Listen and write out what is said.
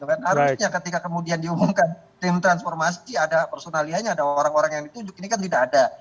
harusnya ketika kemudian diumumkan tim transformasi ada personalianya ada orang orang yang ditunjuk ini kan tidak ada